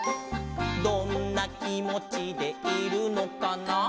「どんなきもちでいるのかな」